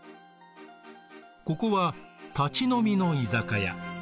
ここは立ち飲みの居酒屋。